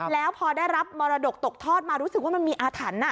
แล้วพอได้รับมรดกตกทอดมารู้สึกว่ามันมีอาถรรพ์